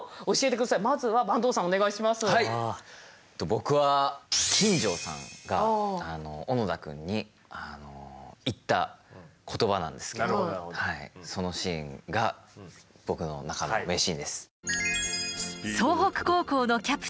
僕は金城さんが小野田くんに言った言葉なんですけどそのシーンが僕の中の名シーンです。